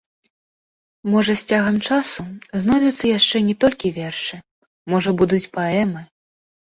Можа з цягам часу знойдуцца яшчэ не толькі вершы, можа будуць паэмы.